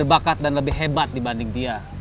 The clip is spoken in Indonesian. berbakat dan lebih hebat dibanding dia